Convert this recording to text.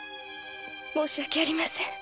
申し訳ありません。